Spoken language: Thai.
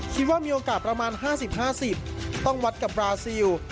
คิดว่ามีโอกาสประมาณห้าสิบห้าสิบต้องวัดกับบราซิล